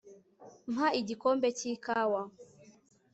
mpa igikombe cy'ikawa